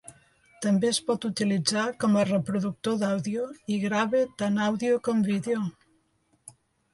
També es pot utilitzar com a reproductor d'àudio, i grava tant àudio com vídeo.